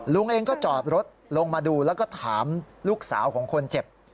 ลุงเองก็จอดรถลงมาดูแล้วก็ถามลูกสาวของคนเจ็บ